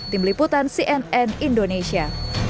tim liputan cnn indonesia